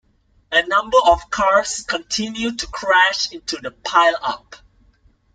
A number of cars continue to crash into the pile-up.